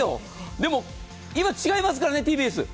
でも今、違いますから、ＴＢＳ。